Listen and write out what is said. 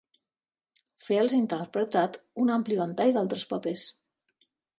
Friels ha interpretat un ampli ventall d'altres papers.